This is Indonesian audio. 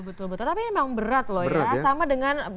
betul betul tapi ini memang berat loh ya